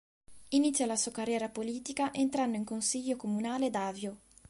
Inizia la sua carriera politica entrando in Consiglio comunale ad Avio.